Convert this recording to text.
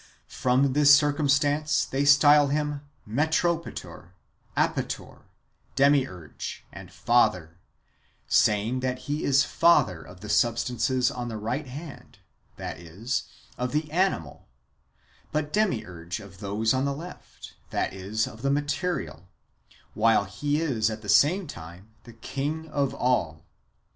From this circumstance they style him Metropator,^ Apator, Demiurge, and Father, saying that he is Father of the substances on the right hand, that is, of the animal, but Demiurge of those on the left, that is, of the material, while he is at the same time the king of all.